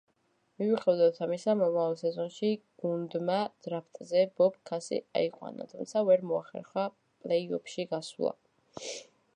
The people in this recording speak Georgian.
მიუხედავად ამისა, მომავალ სეზონში გუნდმა დრაფტზე ბობ ქასი აიყვანა, თუმცა ვერ მოახერხა პლეი-ოფში გასვლა.